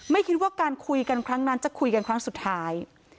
ไม่คิดว่าการคุยกันครั้งนั้นจะคุยกันครั้งสุดท้าย